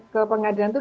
ke pengadilan itu